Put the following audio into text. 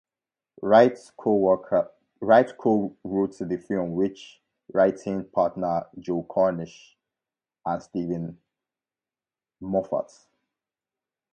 Wright co-wrote the film with writing partner Joe Cornish and Steven Moffat.